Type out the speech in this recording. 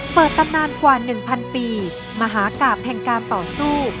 เปิดตั้งนานกว่าหนึ่งพันปีมหากราบแห่งการต่อสู้